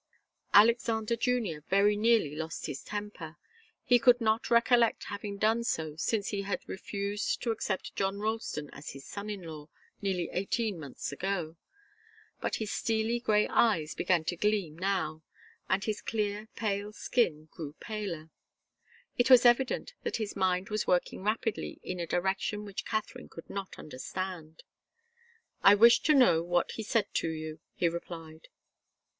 Alexander Junior very nearly lost his temper. He could not recollect having done so since he had refused to accept John Ralston as his son in law, nearly eighteen months ago. But his steely grey eyes began to gleam now, and his clear, pale skin grew paler. It was evident that his mind was working rapidly in a direction which Katharine could not understand. "I wish to know what he said to you," he replied.